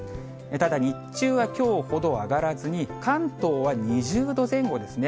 ただ、日中はきょうほど上がらずに、関東は２０度前後ですね。